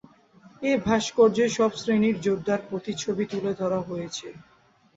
এ ভাস্কর্যে সব শ্রেণীর যোদ্ধার প্রতিচ্ছবি তুলে ধরা হয়েছে।